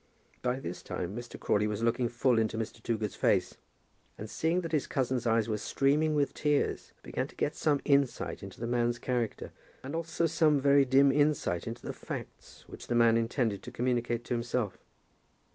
By this time Mr. Crawley was looking full into Mr. Toogood's face, and seeing that his cousin's eyes were streaming with tears, began to get some insight into the man's character, and also some very dim insight into the facts which the man intended to communicate to himself.